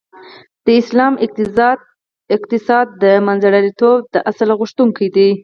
د اسلام اقتصاد د منځلاریتوب د اصل غوښتونکی دی .